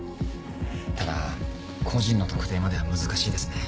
ただ個人の特定までは難しいですね。